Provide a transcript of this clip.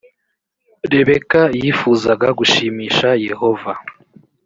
rebeka yifuzaga gushimisha yehova